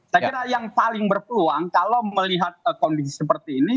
saya kira yang paling berpeluang kalau melihat kondisi seperti ini